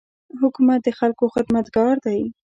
حکومت د خلکو خدمتګار دی.